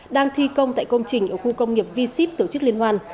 đang thi công tại công trình ở khu công nghiệp v ship tổ chức liên hoan